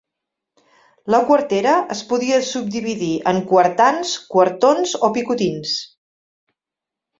La quartera es podia subdividir en quartans, quartons o picotins.